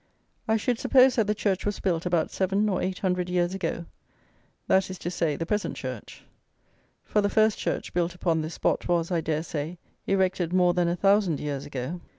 I should suppose that the church was built about seven or eight hundred years ago, that is to say, the present church; for the first church built upon this spot was, I dare say, erected more than a thousand years ago.